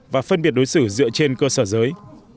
và phân biệt đối xử dựa trên cơ sở giới